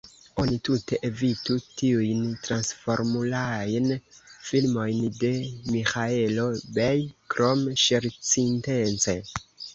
Oni tute evitu tiujn Transformulajn filmojn de Miĥaelo Bej, krom ŝercintence.